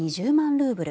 ルーブル